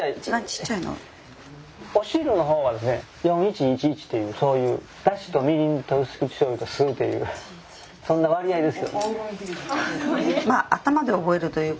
お汁の方はですね４１１１というそういうだしとみりんと薄口しょうゆと酢というそんな割合です。